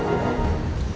kakak kasian sama kamu